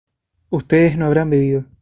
ustedes no habrán bebido